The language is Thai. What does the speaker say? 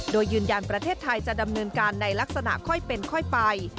โดยยืนยันประเทศไทยจะดำเนินการในลักษณะค่อยเป็นค่อยไป